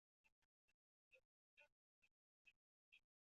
长鼻松鼠属等之数种哺乳动物。